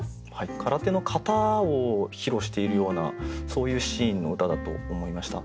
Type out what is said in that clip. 空手の形を披露しているようなそういうシーンの歌だと思いました。